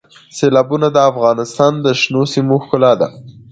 سیلابونه د افغانستان د شنو سیمو ښکلا ده.